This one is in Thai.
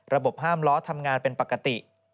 ห้ามล้อทำงานเป็นปกติ